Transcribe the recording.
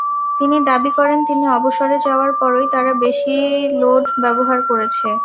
তিনি দাবি করেন, তিনি অবসরে যাওয়ার পরই তারা বেশি লোড ব্যবহার করেছে।